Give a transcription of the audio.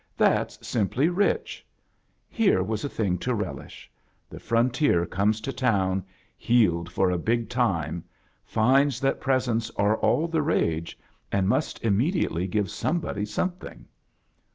"That's simply richl" Here .' was a thing to relishl The Frontier comra ^to toflra "heeled for a big time," finds tfiat presents are all the rage, and must immediately g^e somebody something.